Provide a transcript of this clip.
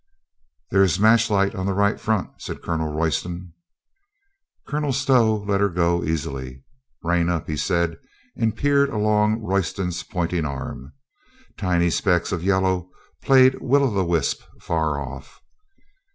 "There is match light on the right front," said Colonel Royston. Colonel Stow let her go easily. "Rein up," he said, and peered along Royston's pointing arm. Tiny specks of yellow played will o' the wisp far off.